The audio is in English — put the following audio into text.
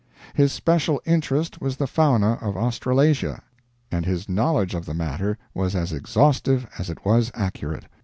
His special interest was the fauna of Australasia, and his knowledge of the matter was as exhaustive as it was accurate.